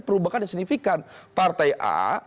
perubahan yang signifikan partai a